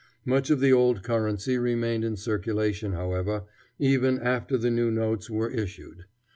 Much of the old currency remained in circulation, however, even after the new notes were issued.